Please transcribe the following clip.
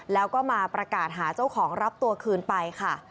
แล้วก็มาประกาศหาเจ้าของรับตัวคืนไปค่ะ